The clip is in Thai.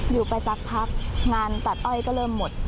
อยู่ไปสักพักงานตัดอ้อยก็เริ่มหมด